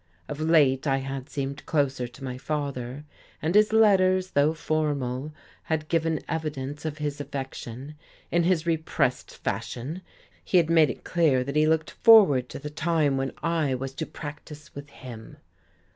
Of late I had seemed closer to my father, and his letters, though formal, had given evidence of his affection; in his repressed fashion he had made it clear that he looked forward to the time when I was to practise with him.